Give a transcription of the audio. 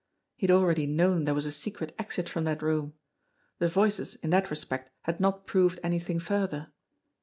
He had already known there was a secret exit from that room. The voices in that respect had not proved anything further.